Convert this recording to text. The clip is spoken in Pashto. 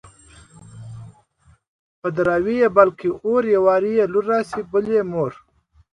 په دراوۍ يې بل کي اور _ يو وار يې لور راسي بيا مور